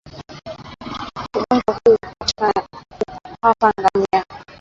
Ugonjwa huu huwapata ngamia